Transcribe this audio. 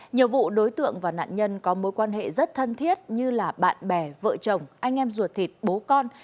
nhiều vụ đối tượng và nạn nhân có mối quan hệ rất thân thiết như là bạn bè vợ chồng anh em ruột thịt bố con